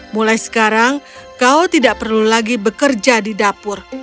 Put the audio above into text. mulai sekarang kau tidak perlu lagi bekerja di dapur